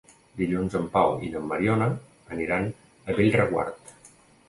Dilluns en Pau i na Mariona aniran a Bellreguard.